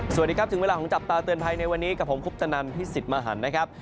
สวัสดีครับถึงเวลาของจับตาเตือนภัยในวันนี้กับผมคุปตนันพิสิทธิ์มหันนะครับ